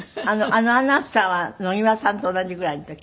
アナウンサーは野際さんと同じぐらいの時？